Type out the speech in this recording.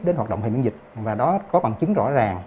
đến hoạt động hệ miễn dịch và đó có bằng chứng rõ ràng